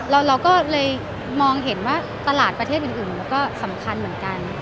เราก็เลยมองเห็นว่าตลาดประเทศอื่นมันก็สำคัญเหมือนกัน